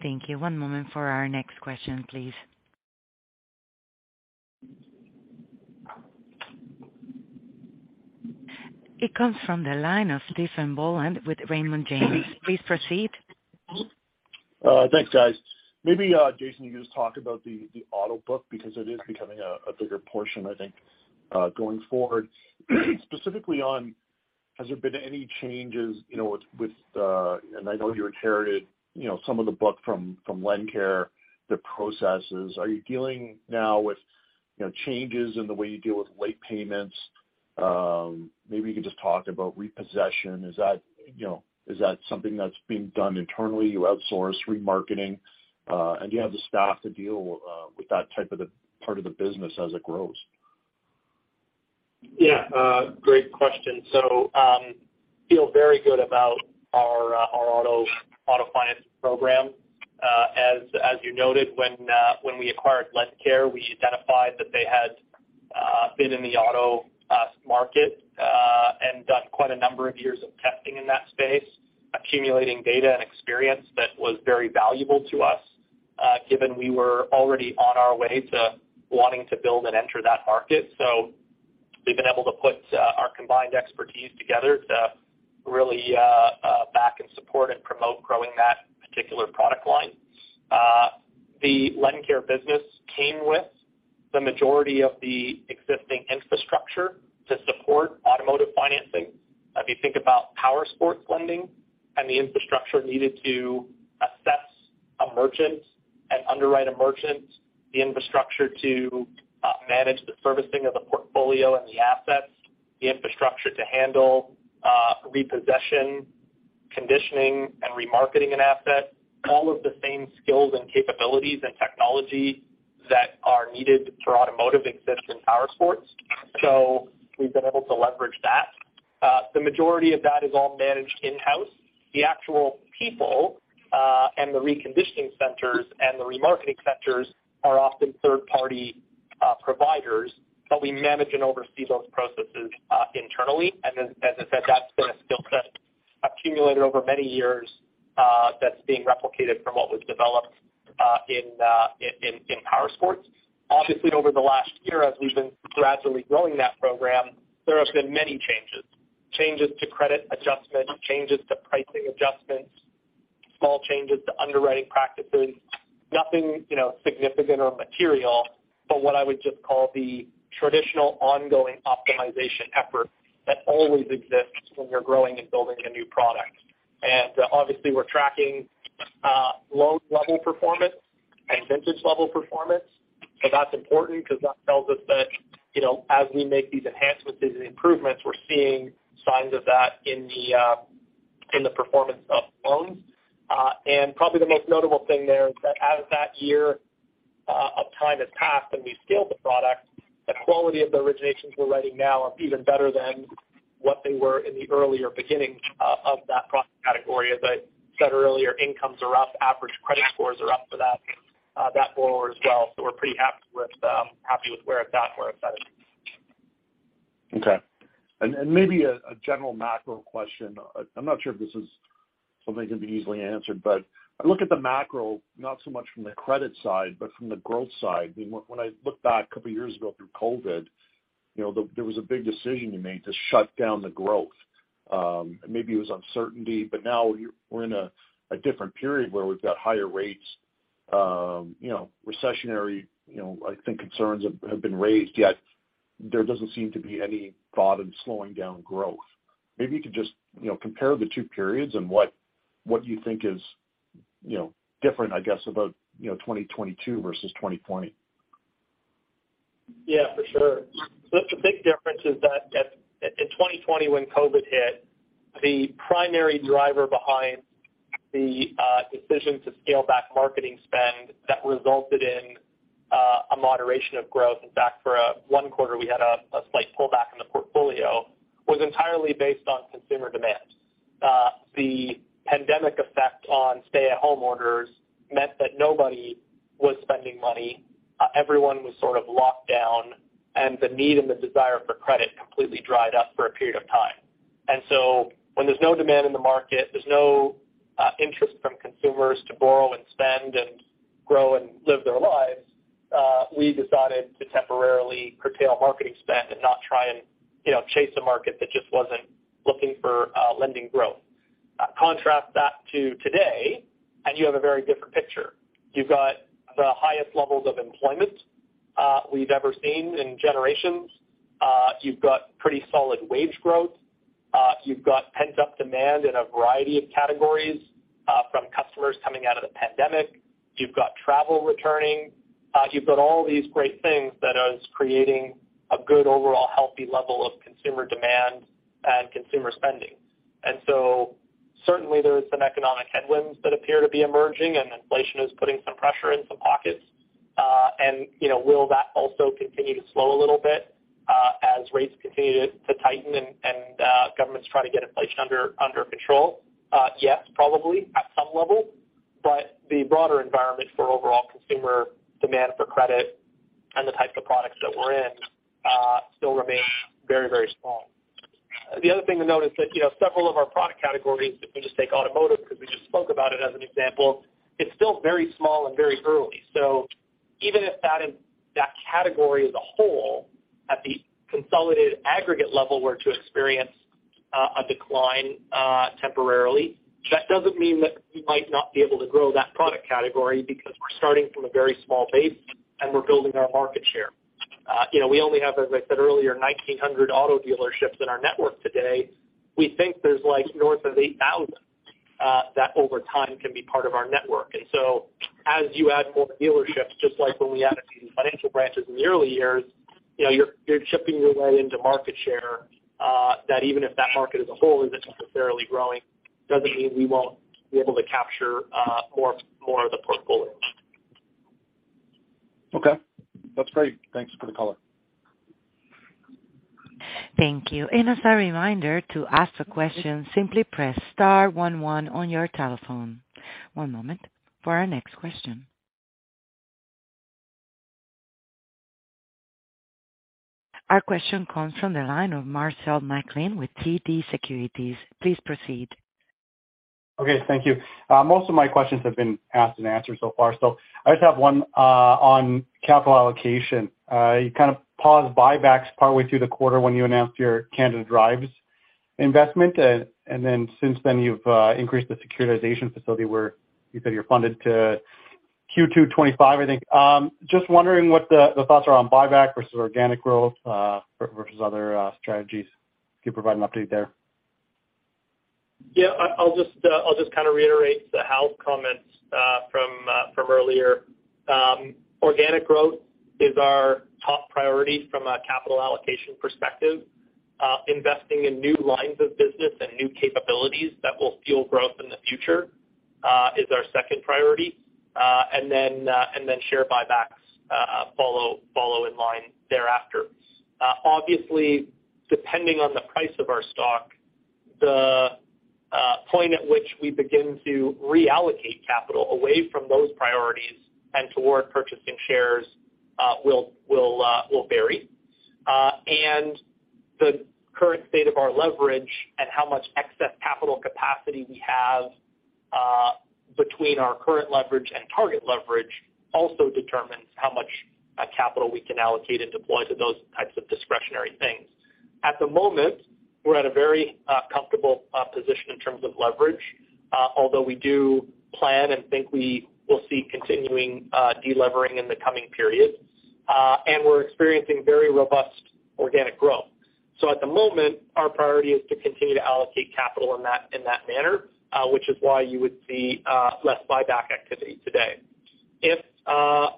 Thank you. One moment for our next question, please. It comes from the line of Stephen Boland with Raymond James. Please proceed. Thanks, guys. Maybe, Jason, you just talked about the auto book because it is becoming a bigger portion, I think, going forward. Specifically, has there been any changes, you know, with and I know you inherited, you know, some of the book from LendCare, the processes. Are you dealing now with, you know, changes in the way you deal with late payments? Maybe you can just talk about repossession. Is that, you know, is that something that's being done internally? You outsource remarketing, and you have the staff to deal with that type of the part of the business as it grows. Yeah, great question. Feel very good about our auto finance program. As you noted, when we acquired LendCare, we identified that they had been in the auto market and done quite a number of years of testing in that space, accumulating data and experience that was very valuable to us, given we were already on our way to wanting to build and enter that market. We've been able to put our combined expertise together to really back and support and promote growing that particular product line. The LendCare business came with the majority of the existing infrastructure to support automotive financing. If you think about powersports lending and the infrastructure needed to assess a merchant and underwrite a merchant, the infrastructure to manage the servicing of the portfolio and the assets, the infrastructure to handle repossession, conditioning and remarketing an asset. All of the same skills and capabilities and technology that are needed for automotive exists in powersports. We've been able to leverage that. The majority of that is all managed in-house. The actual people and the reconditioning centers and the remarketing centers are often third-party providers, but we manage and oversee those processes internally. As I said, that's been a skill set accumulated over many years that's being replicated from what was developed in powersports. Obviously, over the last year, as we've been gradually growing that program, there have been many changes. Changes to credit adjustments, changes to pricing adjustments, small changes to underwriting practices. Nothing, you know, significant or material, but what I would just call the traditional ongoing optimization effort that always exists when you're growing and building a new product. Obviously we're tracking loan level performance and vintage level performance. That's important because that tells us that, you know, as we make these enhancements and improvements, we're seeing signs of that in the performance of loans. Probably the most notable thing there is that as that year of time has passed and we've scaled the product, the quality of the originations we're writing now are even better than what they were in the earlier beginnings of that product category. As I said earlier, incomes are up, average credit scores are up for that borrower as well. We're pretty happy with where it's at, where it's headed. Okay. Maybe a general macro question. I'm not sure if this is something can be easily answered, but I look at the macro, not so much from the credit side, but from the growth side. When I look back a couple of years ago through COVID, you know, there was a big decision you made to shut down the growth. Maybe it was uncertainty, but now we're in a different period where we've got higher rates. You know, recessionary, you know, I think concerns have been raised, yet there doesn't seem to be any thought of slowing down growth. Maybe you could just, you know, compare the two periods and what you think is, you know, different, I guess, about, you know, 2022 versus 2020. Yeah, for sure. The big difference is that in 2020 when COVID hit, the primary driver behind the decision to scale back marketing spend that resulted in a moderation of growth. In fact, for one quarter we had a slight pullback in the portfolio, was entirely based on consumer demand. The pandemic effect on stay-at-home orders meant that nobody was spending money. Everyone was sort of locked down, and the need and the desire for credit completely dried up for a period of time. When there's no demand in the market, there's no interest from consumers to borrow and spend and grow and live their lives, we decided to temporarily curtail marketing spend and not try and, you know, chase a market that just wasn't looking for lending growth. Contrast that to today, and you have a very different picture. You've got the highest levels of employment we've ever seen in generations. You've got pretty solid wage growth. You've got pent-up demand in a variety of categories from customers coming out of the pandemic. You've got travel returning. You've got all these great things that is creating a good overall healthy level of consumer demand and consumer spending. Certainly there are some economic headwinds that appear to be emerging and inflation is putting some pressure in some pockets. You know, will that also continue to slow a little bit as rates continue to tighten and governments try to get inflation under control? Yes, probably at some level. The broader environment for overall consumer demand for credit and the types of products that we're in still remain very, very small. The other thing to note is that, you know, several of our product categories, if we just take automotive because we just spoke about it as an example, it's still very small and very early. So even if that category as a whole at the consolidated aggregate level were to experience a decline temporarily, that doesn't mean that we might not be able to grow that product category because we're starting from a very small base and we're building our market share. You know, we only have, as I said earlier, 1,900 auto dealerships in our network today. We think there's like north of 8,000 that over time can be part of our network. As you add more dealerships, just like when we added these financial branches in the early years, you know, you're chipping your way into market share, that even if that market as a whole isn't necessarily growing, doesn't mean we won't be able to capture more of the portfolio. Okay, that's great. Thanks for the color. Thank you. As a reminder to ask a question, simply press star one one on your telephone. One moment for our next question. Our question comes from the line of Marcel McLean with TD Securities. Please proceed. Okay, thank you. Most of my questions have been asked and answered so far. I just have one on capital allocation. You kind of paused buybacks partway through the quarter when you announced your Canada Drives investment. Then since then you've increased the securitization facility where you said you're funded to Q2 2025, I think. Just wondering what the thoughts are on buyback versus organic growth versus other strategies. Can you provide an update there? Yeah. I'll just kind of reiterate the house comments from earlier. Organic growth is our top priority from a capital allocation perspective. Investing in new lines of business and new capabilities that will fuel growth in the future is our second priority. Share buybacks follow in line thereafter. Obviously, depending on the price of our stock, the point at which we begin to reallocate capital away from those priorities and toward purchasing shares will vary. The current state of our leverage and how much excess capital capacity we have between our current leverage and target leverage also determines how much capital we can allocate and deploy to those types of discretionary things. At the moment, we're at a very, comfortable, position in terms of leverage, although we do plan and think we will see continuing, delevering in the coming periods. We're experiencing very robust organic growth. At the moment, our priority is to continue to allocate capital in that, in that manner, which is why you would see, less buyback activity today. If,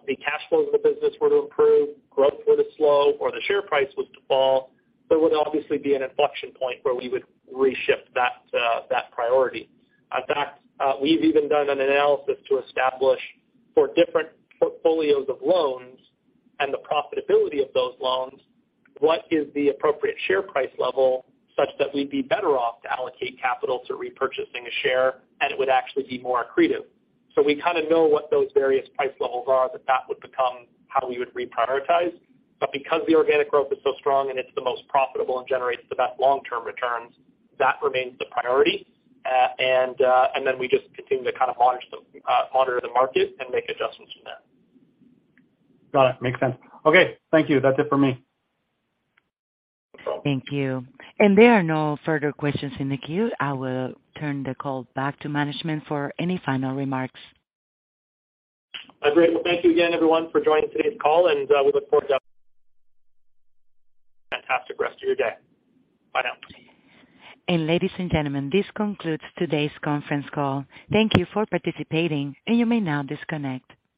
the cash flows of the business were to improve, growth were to slow or the share price was to fall, there would obviously be an inflection point where we would reshift that priority. In fact, we've even done an analysis to establish for different portfolios of loans and the profitability of those loans, what is the appropriate share price level such that we'd be better off to allocate capital to repurchasing a share and it would actually be more accretive. We kind of know what those various price levels are, that would become how we would reprioritize. Because the organic growth is so strong and it's the most profitable and generates the best long-term returns, that remains the priority. We just continue to kind of monitor the market and make adjustments from there. Got it. Makes sense. Okay, thank you. That's it for me. No problem. Thank you. There are no further questions in the queue. I will turn the call back to management for any final remarks. Great. Well, thank you again everyone for joining today's call and we look forward to a fantastic rest of your day. Bye now. Ladies and gentlemen, this concludes today's conference call. Thank you for participating and you may now disconnect.